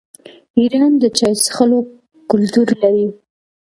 ایران د چای څښلو کلتور لري.